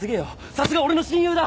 さすが俺の親友だ！